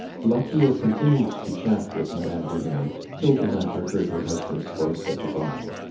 Lochiel continued to chat with Madame Dumais till the latter heard her husband's voice at the barn.